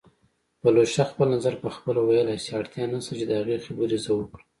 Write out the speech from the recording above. پلوشه خپل نظر پخپله ویلی شي، اړتیا نشته چې د هغې خبرې زه وکړم